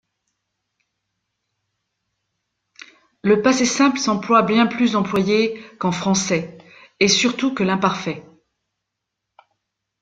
Le passé simple s'emploie bien plus employé qu'en français et surtout que l'imparfait.